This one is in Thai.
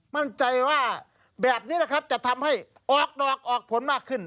มั่นใจว่าแบบนี้นะครับจะทำให้ออกดอกออกผลมากขึ้น